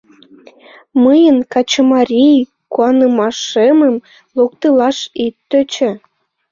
Мыйын качымарий куанымашемым локтылаш ит тӧчӧ!